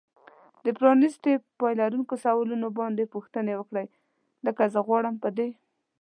د پرانیستي پای لرونکو سوالونو باندې پوښتنې وکړئ. لکه زه غواړم په دې